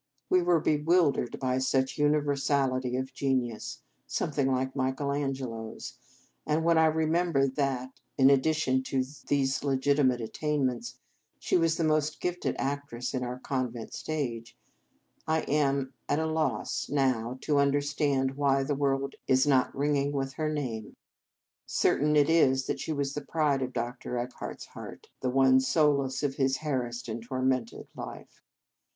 We were bewildered by such universality of genius, some thing like Michael Angelo s, and when I remember that, in addition to these legitimate attainments, she was the most gifted actress on our convent stage, I am at a loss now to under stand why the world is not ringing with her name. Certain it is that she was the pride of Dr. Eckhart s heart, the one solace of his harassed and tormented life.